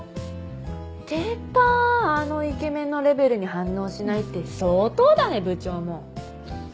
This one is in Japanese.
出たあのイケメンのレベルに反応しないって相当だね部長も。